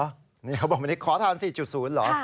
พี่แอบบอกวันนี้ขอทาน๔จุดศูนย์เหรอ